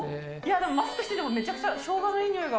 でもマスクしててもめちゃくちゃ生姜のいい匂いが。